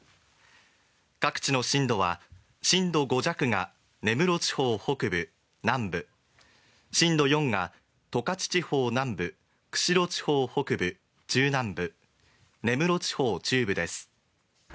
各地の震度は震度５弱が根室地方北部・南部、震度４が十勝地方南部、釧路地方北部・中南部、根室地方中部です。